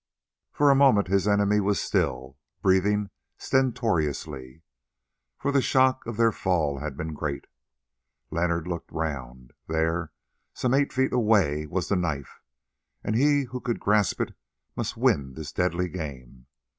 For a moment his enemy was still, breathing stertorously, for the shock of their fall had been great. Leonard looked round; there, some eight feet away, was the knife, and he who could grasp it must win this deadly game.